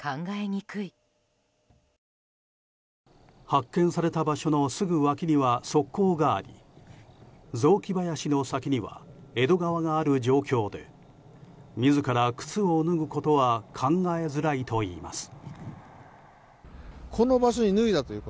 発見された場所のすぐ脇には側溝があり雑木林の先には江戸川がある状況で自ら靴を脱ぐことは考えづらいといいます。